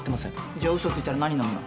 じゃあうそついたら何のむの？